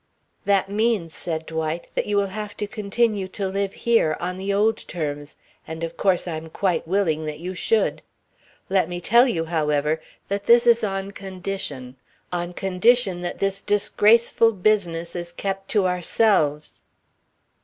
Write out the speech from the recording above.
"That means," said Dwight, "that you will have to continue to live here on the old terms, and of course I'm quite willing that you should. Let me tell you, however, that this is on condition on condition that this disgraceful business is kept to ourselves."